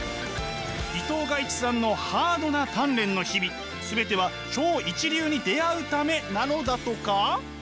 伊藤賀一さんのハードな鍛錬の日々全ては超一流に出会うためなのだとか？